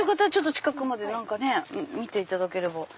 近くまで見ていただければ。